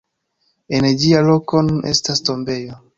En ĝia loko nun estas tombejo.